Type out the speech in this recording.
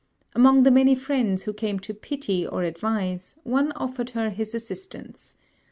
Among the many friends who came to pity or advise, one offered her his assistance.